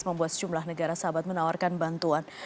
membuat sejumlah negara sahabat menawarkan bantuan